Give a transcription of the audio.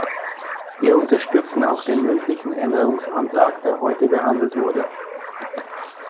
Wir unterstützen auch den mündlichen Änderungsantrag, der heute behandelt wurde.